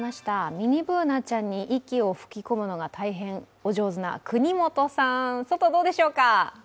ミニＢｏｏｎａちゃんに息を吹き込むのが大変お上手な國本さん、外、どうでしょうか？